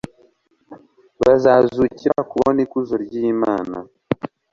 bazazukira kubona ikuzo ry'imana